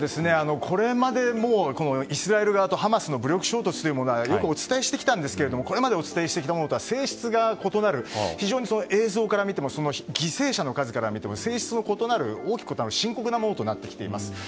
これまでもイスラエル側とハマスの武力衝突はよくお伝えしてきたんですがこれまでお伝えしてきたものとは性質が異なる非常に映像から見ても犠牲者の数からみても性質の異なる深刻なものとなってきています。